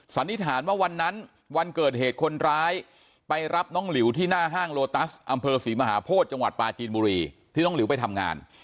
สันนิษฐานว่าวันนั้นวันเกิดเหตุคนร้ายไปรับน้องหลิวที่หน้าห้างโลตัสอำเภอศรีมหาโพธิจังหวัดปลาจีนบุรีที่น้องหลิวไปทำงาน